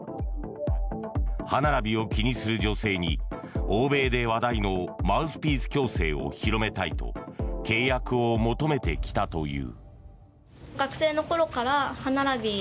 歯並びを気にする女性に欧米で話題のマウスピース矯正を広めたいと契約を求めてきたという。